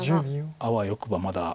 あわよくばまだ。